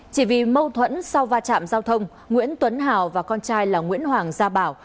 chỉ vì mâu thuẫn sau va chạm giao thông nguyễn tuấn hào và con trai là nguyễn hoàng gia bảo